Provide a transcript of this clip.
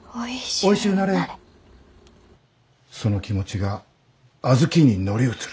その気持ちが小豆に乗り移る。